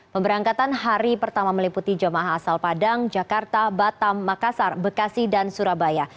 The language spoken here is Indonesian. pemberangkatan hari pertama meliputi jemaah asal padang jakarta batam makassar bekasi dan surabaya